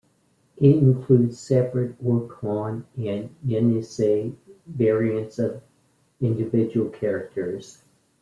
It includes separate "Orkhon" and "Yenisei" variants of individual characters.